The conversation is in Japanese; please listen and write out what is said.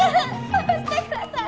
下ろしてください！